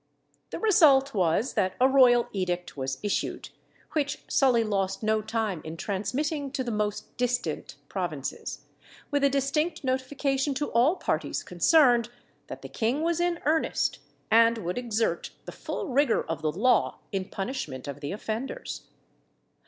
The result was, that a royal edict was issued, which Sully lost no time in transmitting to the most distant provinces, with a distinct notification to all parties concerned that the king was in earnest, and would exert the full rigour of the law in punishment of the offenders.